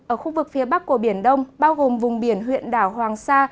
ở khu vực phía bắc của biển đông bao gồm vùng biển huyện đảo hoàng sa